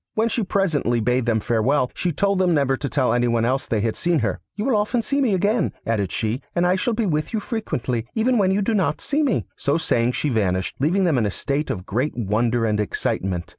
When she presently bade them farewell, she told them never to tell anyone else that they had seen her. 'You will often see me again,' added she, 'and I shall be with you frequently, even when you do not see me.' So saying she vanished, leaving them in a state of great wonder and excitement.